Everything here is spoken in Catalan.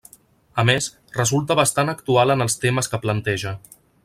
A més, resulta bastant actual en els temes que planteja.